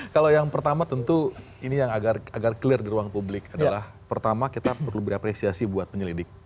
kalau yang pertama tentu ini yang agar clear di ruang publik adalah pertama kita perlu berapresiasi buat penyelidik